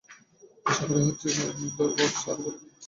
আশা করা হচ্ছে, Ant-Man and the wasp আরও ভালো ব্যবসা করবে।